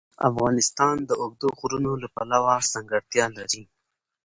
افغانستان د اوږده غرونه د پلوه ځانته ځانګړتیا لري.